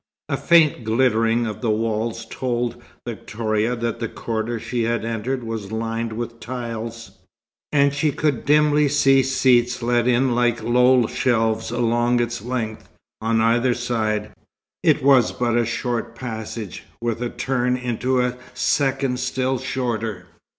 A faint glittering of the walls told Victoria that the corridor she had entered was lined with tiles; and she could dimly see seats let in like low shelves along its length, on either side. It was but a short passage, with a turn into a second still shorter.